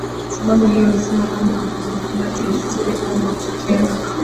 sababu hiyo husema kwamba hawafuati desturi au mapokeo